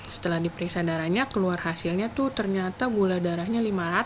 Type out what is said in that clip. setelah diperiksa darahnya keluar hasilnya tuh ternyata gula darahnya lima ratus